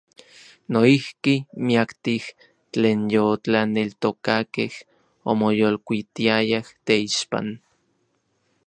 Noijki miaktij tlen yotlaneltokakej omoyolkuitiayaj teixpan.